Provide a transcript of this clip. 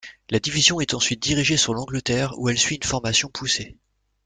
La division est ensuite dirigée sur l'Angleterre où elle suit une formation poussée.